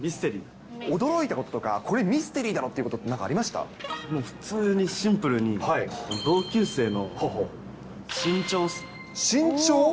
驚いたこととか、これ、ミステリーだろっていうことなんもう普通にシンプルに、身長？